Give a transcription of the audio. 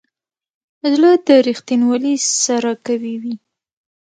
زړه د ریښتینولي سره قوي وي.